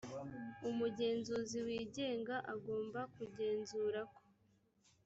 umugenzuzi wigenga agomba kugenzura ko